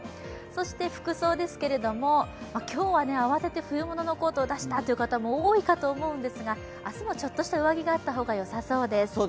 そして服装ですけど、今日は慌てて冬物のコートを出したという方も多いと思いますが明日もちょっとした上着があった方がよさそうです。